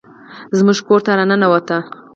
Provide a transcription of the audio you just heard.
زموږ کور ته راننوت